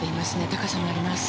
高さもあります。